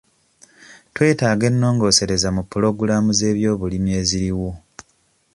Twetaaga ennongoosereza mu pulogulaamu z'ebyobulimi eziriwo.